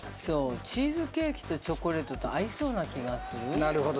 そうチーズケーキとチョコレートって合いそうな気がする